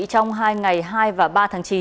trong hai ngày hai và ba tháng chín